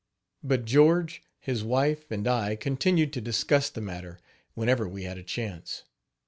But George, his wife and I continued to discuss the matter, whenever we had a chance.